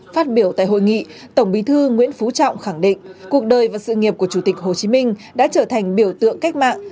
phát biểu tại hội nghị tổng bí thư nguyễn phú trọng khẳng định cuộc đời và sự nghiệp của chủ tịch hồ chí minh đã trở thành biểu tượng cách mạng